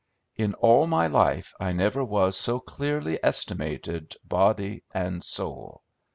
In all my life I never was so clearly estimated, body and soul.